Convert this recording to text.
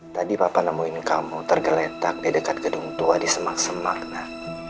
tadi papa nemuin kamu tergeletak di dekat gedung tua di semak semak nak